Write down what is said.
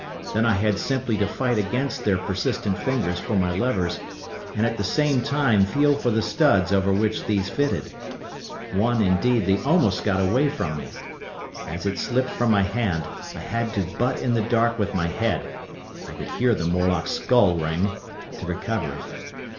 Then I had simply to fight against their persistent fingers for my levers, and at the same time feel for the studs over which these fitted. One, indeed, they almost got away from me. As it slipped from my hand, I had to butt in the dark with my head—I could hear the Morlock's skull ring—to recover it.